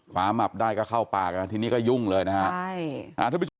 หมับได้ก็เข้าปากทีนี้ก็ยุ่งเลยนะฮะ